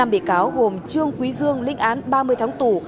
năm bị cáo gồm trương quý dương linh án ba mươi tháng tù